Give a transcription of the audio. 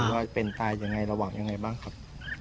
หรือว่าเป็นตายระหว่างยังไงบ้างครับ